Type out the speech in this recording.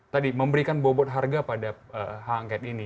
tadi memberikan bobot harga pada hak angket ini